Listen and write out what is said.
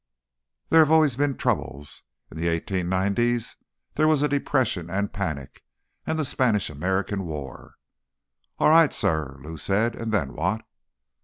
There have always been troubles. In the 1890's there was a Depression and panic, and the Spanish American War—" "All right, Sirrah," Lou said. "And then what?"